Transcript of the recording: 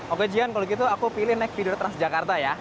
oke jian kalau gitu aku pilih naik feeder transjakarta ya